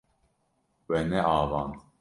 We neavand.